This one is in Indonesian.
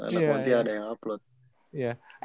nggak ada yang upload